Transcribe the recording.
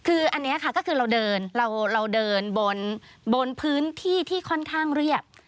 คืออันนี้ค่ะก็คือเราเดินเราเดินบนพื้นที่ที่ค่อนข้างเรียบ